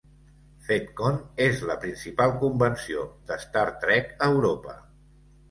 FedCon és la principal convenció de Star Trek a Europa.